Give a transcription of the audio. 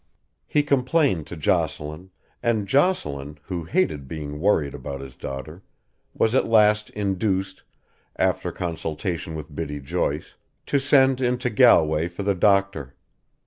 He complained to Jocelyn, and Jocelyn, who hated being worried about his daughter, was at last induced, after consultation with Biddy Joyce, to send into Galway for the doctor.